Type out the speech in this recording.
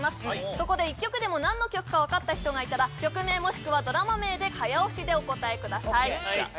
そこで１曲でも何の曲かわかった人がいたら曲名もしくはドラマ名で早押しでお答えください